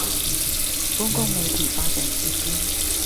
公共媒體發展基金